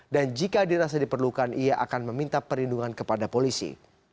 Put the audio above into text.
dan jika dirasa diperlukan ia akan meminta perlindungan kepada polisi